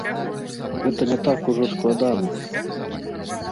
Гэтак не так ужо складана.